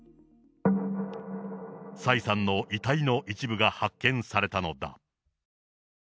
蔡さんの遺体の一部が発見されたのだ。